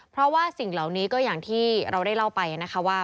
เพราะว่าสิ่งเหล่านี้ก็อย่างที่เราได้เล่าไปนะคะว่า